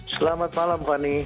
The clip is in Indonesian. selamat malam pani